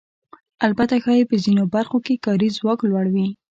البته ښایي په ځینو برخو کې کاري ځواک لوړ وي